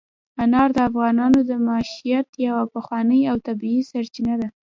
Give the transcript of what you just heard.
انار د افغانانو د معیشت یوه پخوانۍ او طبیعي سرچینه ده.